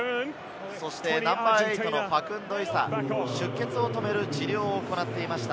ナンバー８のファクンド・イサ、出血を止める治療を行っていました。